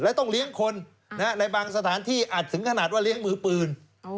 และต้องเลี้ยงคนในบางสถานที่อาจถึงขนาดว่าเลี้ยงมือปืน